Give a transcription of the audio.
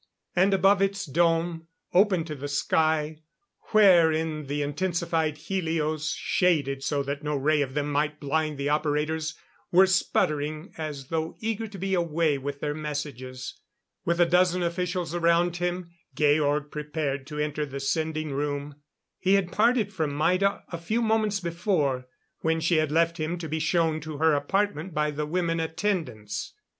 And above its dome, opened to the sky, wherein the intensified helios shaded so that no ray of them might blind the operators, were sputtering as though eager to be away with their messages. With a dozen officials around him, Georg prepared to enter the sending room. He had parted from Maida a few moments before, when she had left him to be shown to her apartment by the women attendants.